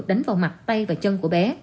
đánh vào mặt tay và chân của bé